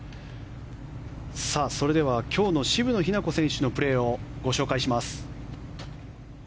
それでは今日の渋野日向子選手のプレーをご紹介します。